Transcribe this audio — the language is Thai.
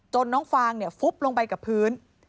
น้องฟางฟุบลงไปกับพื้น